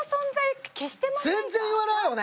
全然言わないよね！